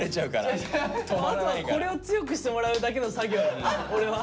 あとはこれを強くしてもらうだけの作業だよ俺は。